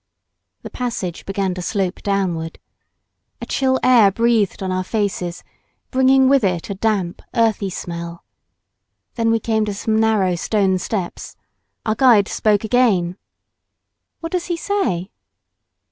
The passage began to slope downward. A chill air breathed on our faces, bringing with if a damp earthy smell. Then we came to some narrow stone steps. Our guide spoke again. "What does he say?"